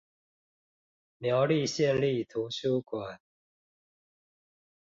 苗栗縣立圖書館